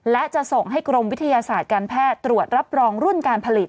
และจะส่งให้กรมวิทยาศาสตร์การแพทย์ตรวจรับรองรุ่นการผลิต